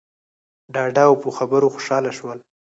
ډاډه او په خبرو خوشحاله شول.